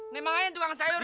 nih mangain tukang sayur